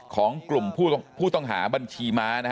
ของกลุ่มผู้ต้องหาบัญชีม้า